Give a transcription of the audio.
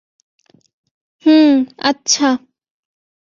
হুম, আচ্ছা।